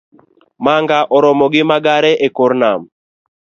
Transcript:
Manga oromo gi magare ekor nam